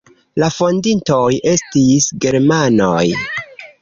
La fondintoj estis germanoj.